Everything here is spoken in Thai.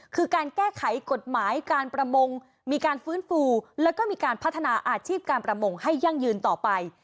คือการแก้ไขกฎหมายการประมงมีการฟื้นฟูแล้วก็มีการพัฒนาอาชีพการประมงให้ยั่งยืนต่อไป